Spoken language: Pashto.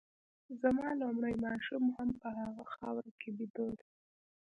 زما لومړی ماشوم هم په هغه خاوره کي بیده دی